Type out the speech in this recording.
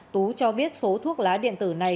tú cho biết số thuốc lá điện tử này